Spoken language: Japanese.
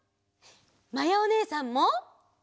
まやおねえさんも！